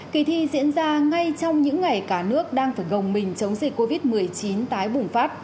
kỳ thi diễn ra ngay trong những ngày cả nước đang phải gồng mình chống dịch covid một mươi chín tái bùng phát